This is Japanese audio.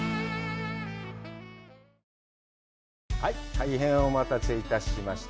大変お待たせいたしました。